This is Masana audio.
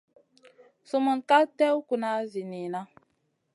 Sumun ka tèw kuna zi niyna.